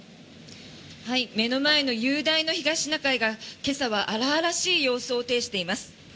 目の前の雄大な東シナ海が今朝は荒々しい様相を呈しています。